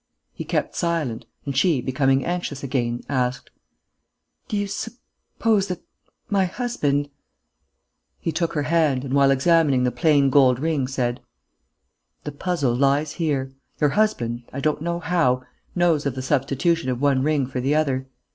He kept silent; and she, becoming anxious again, asked: "Do you suppose ... that my husband ...?" He took her hand and, while examining the plain gold ring, said: "The puzzle lies here. Your husband, I don't know how, knows of the substitution of one ring for the other.